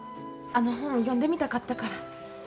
あの本読んでみたかったから。